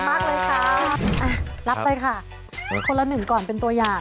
เอาลับไปค่ะคนละหนึ่งก่อนเป็นตัวอย่าง